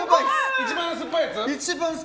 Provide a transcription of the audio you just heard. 一番すっぱいやつ？